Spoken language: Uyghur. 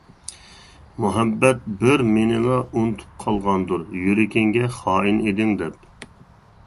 مۇھەببەت، بىر مېنىلا ئۇنتۇپ قالغاندۇر، يۈرىكىڭگە خائىن ئىدىڭ دەپ.